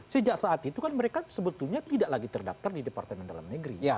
sejak saat itu kan mereka sebetulnya tidak lagi terdaftar di departemen dalam negeri